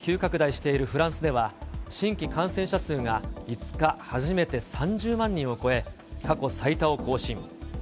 感染が急拡大しているフランスでは、新規感染者数が５日、初めて３０万人を超え、過去最多を更新。